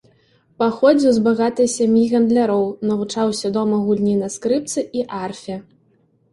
Паходзіў з багатай сям'і гандляроў, навучаўся дома гульні на скрыпцы і арфе.